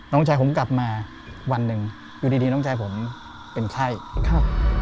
น้องชายผมกลับมาวันหนึ่งอยู่ดีดีน้องชายผมเป็นไข้ครับ